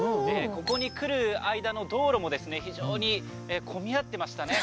ここに来る間の道路も非常に混み合ってましたね。